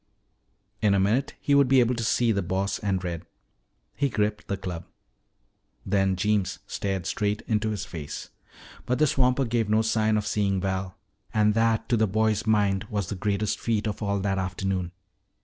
In a minute he would be able to see the Boss and Red. He gripped the club. Then Jeems stared straight into his face. But the swamper gave no sign of seeing Val. And that, to the boy's mind, was the greatest feat of all that afternoon.